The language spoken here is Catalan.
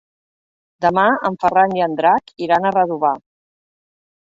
Demà en Ferran i en Drac iran a Redovà.